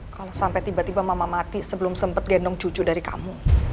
kalau sampai tiba tiba mama mati sebelum sempat gendong cucu dari kamu